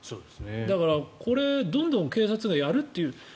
だからこれ、どんどん警察がやるという。